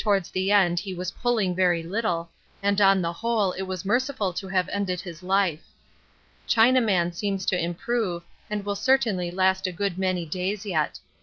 However, towards the end he was pulling very little, and on the whole it is merciful to have ended his life. Chinaman seems to improve and will certainly last a good many days yet.